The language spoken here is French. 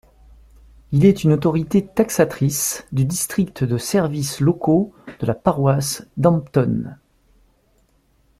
Il est une autorité taxatrice du district de services locaux de la Paroisse d'Hampton.